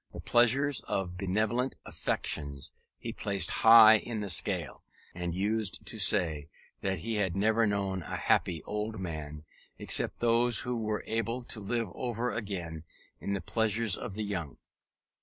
The pleasures of the benevolent affections he placed high in the scale; and used to say, that he had never known a happy old man, except those who were able to live over again in the pleasures of the young.